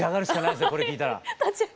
これ聴いたら。